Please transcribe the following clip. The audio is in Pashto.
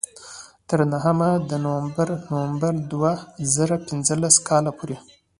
تر نهم د نومبر دوه زره پینځلس کال پورې.